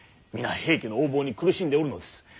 皆平家の横暴に苦しんでおるのです。